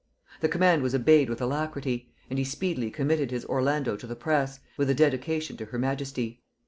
The command was obeyed with alacrity; and he speedily committed his Orlando to the press, with a dedication to her majesty.